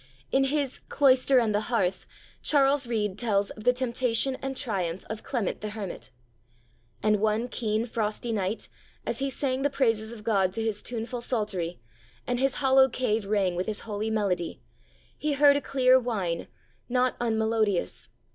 In his Cloister and the Hearth, Charles Reade tells of the temptation and triumph of Clement the hermit. 'And one keen frosty night, as he sang the praises of God to his tuneful psaltery, and his hollow cave rang with his holy melody, he heard a clear whine, not unmelodious.